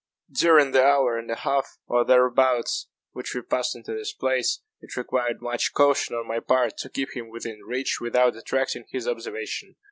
During the hour and a half, or thereabouts, which we passed in this place, it required much caution on my part to keep him within reach without attracting his observation.